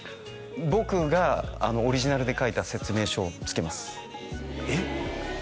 僕がオリジナルで書いた説明書をつけますえっ？